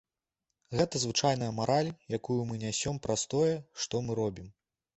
Гэта звычайная мараль, якую мы нясем праз тое, што мы робім.